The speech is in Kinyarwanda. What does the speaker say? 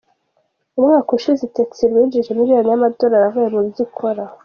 Umwaka ushize Utexrwa yinjije miliyoni y’amadolari avuye mu byo ikora.